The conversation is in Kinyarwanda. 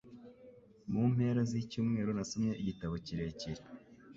Mu mpera z'icyumweru nasomye igitabo kirekire.